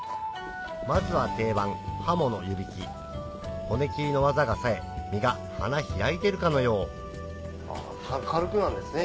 まずは定番ハモの湯引き骨切りの技がさえ身が花開いてるかのよう軽くなんですね